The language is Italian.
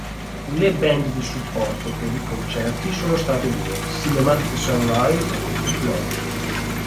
Le band di supporto per i concerti sono state due: Cinematic Sunrise e Technology.